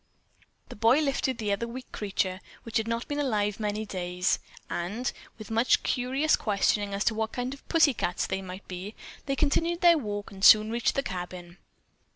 The boy had lifted the other weak creature, which had not been alive many days, and, with much curious questioning as to what kind of "pussy cats" they might be, they continued their walk and soon reached the cabin.